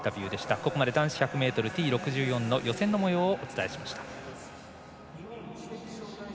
ここまで男子１００ｍＴ６４の予選のもようをお伝えしました。